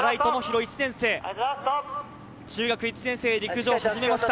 １年生中学１年生、陸上を始めました。